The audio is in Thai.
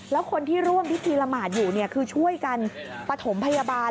แล้วคนที่ร่วมพิธีละหมาดอยู่คือช่วยกันปฐมพยาบาล